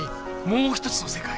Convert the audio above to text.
もう一つの世界。